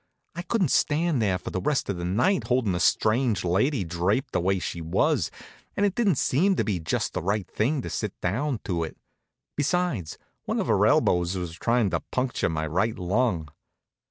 I couldn't stand there for the rest of the night holdin' a strange lady draped the way she was, and it didn't seem to be just the right thing to sit down to it. Besides, one of her elbows was tryin' to puncture my right lung.